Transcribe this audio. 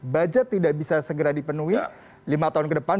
budget tidak bisa segera dipenuhi lima tahun ke depan